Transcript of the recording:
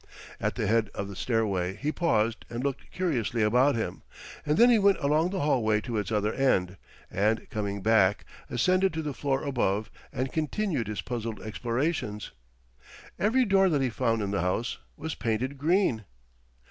At the head of the stairway he paused and looked curiously about him. And then he went along the hallway to its other end; and, coming back, ascended to the floor above and continued his puzzled explorations. Every door that he found in the house was painted green.